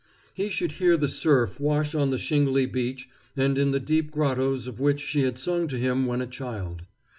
He should hear the surf wash on the shingly beach and in the deep grottoes of which she had sung to him when a child.